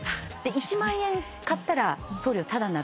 １万円買ったら送料タダになるって。